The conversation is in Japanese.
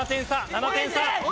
７点差。